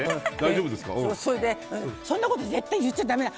それで、そんなこと絶対言っちゃだめだ。